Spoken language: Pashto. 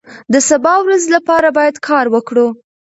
د سبا ورځې لپاره باید کار وکړو.